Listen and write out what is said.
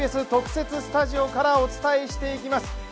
ＴＢＳ特設スタジオからお伝えしていきます。